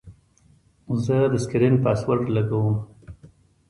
زه د سکرین پاسورډ لګوم.